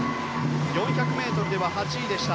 ４００ｍでは８位でした。